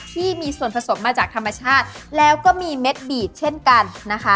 ที่มีส่วนผสมมาจากธรรมชาติแล้วก็มีเม็ดบีดเช่นกันนะคะ